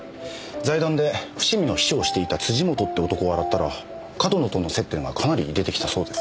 財団で伏見の秘書をしていた辻本って男を洗ったら上遠野との接点がかなり出てきたそうです。